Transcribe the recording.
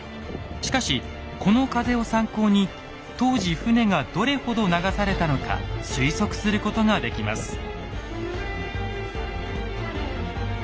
しかしこの風を参考に当時船がどれほど流されたのか推測することができます。